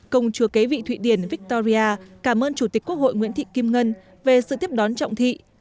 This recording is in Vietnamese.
công chúa kế vị thụy điển victoria cảm ơn chủ tịch quốc hội nguyễn thị kim ngân về sự tiếp đón trọng thị